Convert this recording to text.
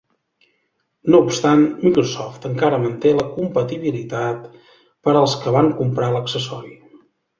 No obstant, Microsoft encara manté la compatibilitat per als que van comprar l'accessori.